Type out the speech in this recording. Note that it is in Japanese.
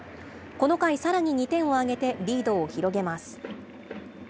この回、さらに２点を挙げてリードを広げます。